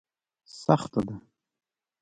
سخته ده.